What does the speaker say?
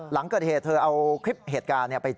หลังเกิดเหตุเธอเอาคลิปเหตุการณ์ไป